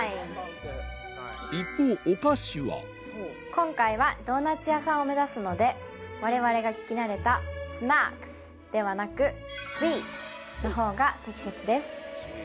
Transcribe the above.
今回はドーナツ屋さんを目指すのでわれわれが聞き慣れた「Ｓｎａｃｋｓ」ではなく「Ｓｗｅｅｔｓ」のほうが適切です。